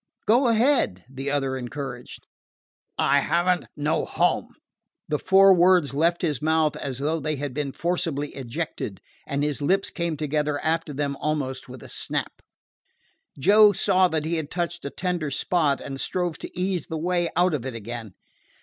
"Go ahead," the other encouraged. "I have n't no home." The four words left his mouth as though they had been forcibly ejected, and his lips came together after them almost with a snap. Joe saw he had touched a tender spot, and strove to ease the way out of it again.